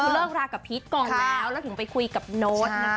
เลิกรากับพีชกองแล้วแล้วถึงไปคุยกับโน้ตนะคะ